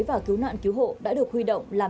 và cứu nạn cứu hộ đã được huy động làm